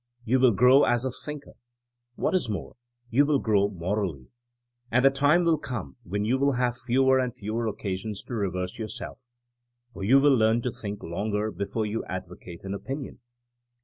You will grow as a thinker. What is more, you will grow mor ally. And the time will come when you will have fewer and fewer occasions to reverse your self, for you will learn to think longer before you advocate an opinion.